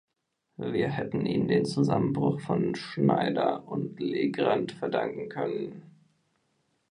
Wir hätten Ihnen den Zusammenbruch von Schneider und Legrand verdanken können.